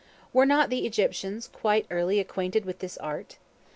Were not the Egyptians quite early acquainted with this art?